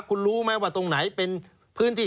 คุณรู้ไหมว่าตรงไหนเป็นพื้นที่